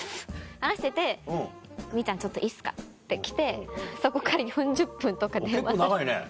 話してて「みーちゃんちょっといいっすか」って来てそこから４０分とか電話する。